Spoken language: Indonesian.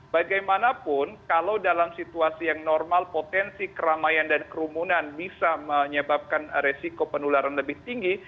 bagaimanapun kalau dalam situasi yang normal potensi keramaian dan kerumunan bisa menyebabkan resiko penularan lebih tinggi